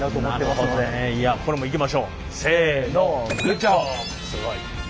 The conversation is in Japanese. すごい。